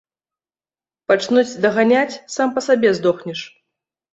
Пачнуць даганяць, сам па сабе здохнеш.